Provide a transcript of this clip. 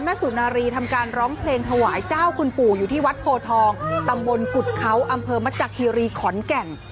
สุนารีทำการร้องเพลงถวายเจ้าคุณปู่อยู่ที่วัดโพทองตำบลกุฎเขาอำเภอมจักรีรีขอนแก่น